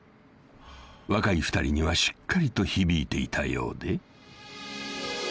［若い２人にはしっかりと響いていたようで］